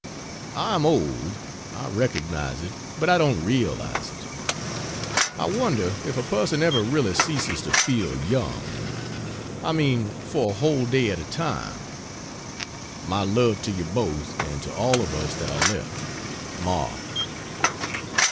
I am old; I recognize it but I don't realize it. I wonder if a person ever really ceases to feel young I mean, for a whole day at a time. My love to you both, and to all of us that are left. MARK.